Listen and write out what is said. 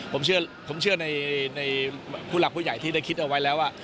ผมเชื่อผมเชื่อในผู้หลักผู้ใหญ่ที่ได้คิดเอาไว้แล้วว่า